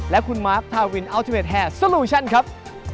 และคุณมาร์คทาวินอัลทิเมตแฮร์สโลวิชันครับ